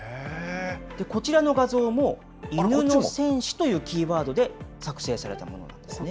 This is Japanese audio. こちらの画像も、犬の戦士というキーワードで作成されたものなんですね。